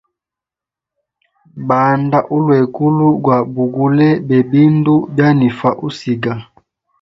Banda ulwegulu gwa bugule bebindu byanifa usiga.